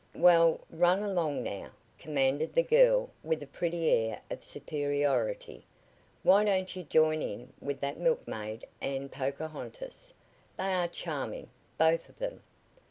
"Well, run along now," commanded the girl with a pretty air of superiority. "Why don't you join in with that milkmaid and Pocahontas? They are charming both of them."